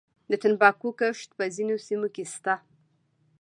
د تنباکو کښت په ځینو سیمو کې شته